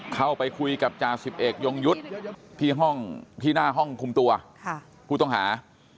เข้าไปคุยกับจ่าสิบเอกยงยุทธ์ที่ห้องที่หน้าห้องคุมตัวผู้ต้องหา